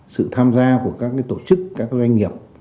sự tham gia của các tổ chức các doanh nghiệp